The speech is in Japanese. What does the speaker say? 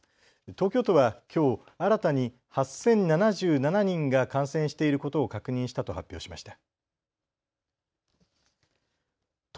東京都はきょう新たに８０７７人が感染していることを確認したと発表しました。